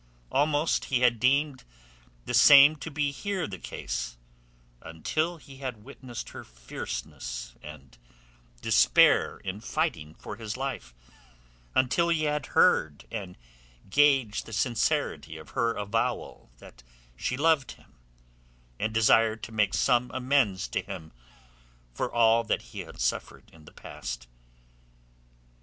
Almost he had deemed the same to be here the case until he had witnessed her fierceness and despair in fighting for his life, until he had heard and gauged the sincerity of her avowal that she loved him and desired to make some amends to him for all that he had suffered in the past.